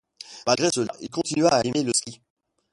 Malgré cela, il continua à aimer le ski.